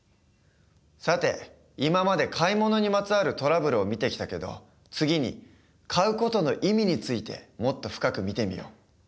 さて今まで買い物にまつわるトラブルを見てきたけど次に買う事の意味についてもっと深く見てみよう。